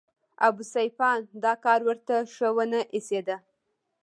ابوسفیان دا کار ورته شه ونه ایسېده.